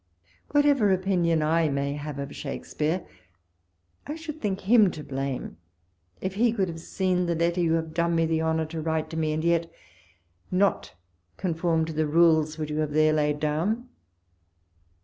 Whatever opinion I may have of Shakspeare, I should think him to blame, if he could have seen the letter you have done me the honour to write to me, and yet not conform to the rules you have there laid down.